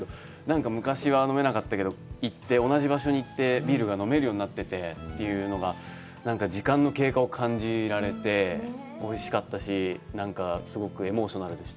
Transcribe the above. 昔は飲めなかったけど、行って、同じ場所に行って、ビールが飲めるようになっててというのがなんか時間の経過を感じられておいしかったし、すごくエモーショナルでした。